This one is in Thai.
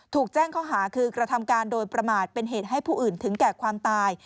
ถูกแจ้งข้อหาคือกระทำการโดยประมาทเป็นเหตุให้ผู้อื่นถึงแก่ความตาย